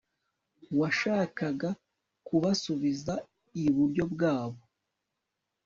Washakaga kubasubiza iburyo bwabo